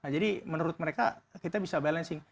jadi menurut mereka kita bisa balancing